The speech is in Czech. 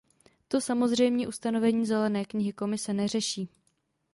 To samozřejmě ustanovení zelené knihy Komise neřeší.